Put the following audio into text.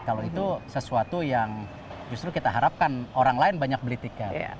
kalau itu sesuatu yang justru kita harapkan orang lain banyak beli tiket